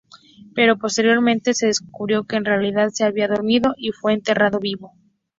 Pero posteriormente, se descubrió que, en realidad, se había dormido y fue enterrado vivo.